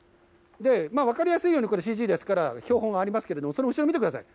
分かりやすいように、これ、ＣＧですから、標本ありますけれども、後ろ見てください。